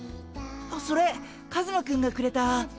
あっそれカズマくんがくれた。